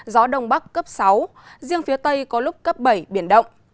gió đông bắc cấp sáu riêng phía tây có lúc cấp bảy biển động